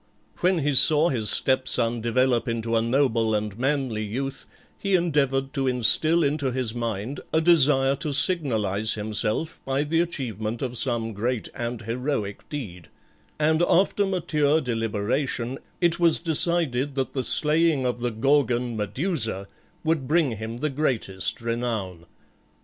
When he saw his stepson develop into a noble and manly youth he endeavoured to instil into his mind a desire to signalize himself by the achievement of some great and heroic deed, and after mature deliberation it was decided that the slaying of the Gorgon, Medusa, would bring him the greatest renown.